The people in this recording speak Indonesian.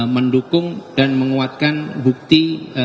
mendukung dan menguatkan bukti